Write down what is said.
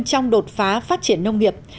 trong đột phá phát triển nông nghiệp